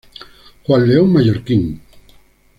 Juan León Mallorquín.